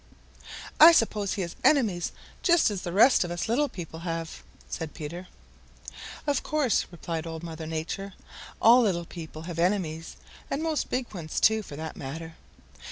"I suppose he has enemies just as the rest of us little people have," said Peter. "Of course," replied Old Mother Nature. "All little people have enemies, and most big ones too, for that matter.